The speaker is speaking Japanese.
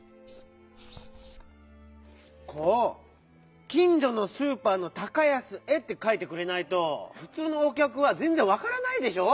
こう「きんじょのスーパーの高安へ」ってかいてくれないとふつうのおきゃくはぜんぜんわからないでしょ！